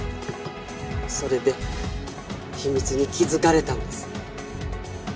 それで秘密に気づかれたんです。